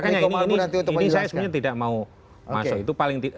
ini saya sebenarnya tidak mau masuk itu paling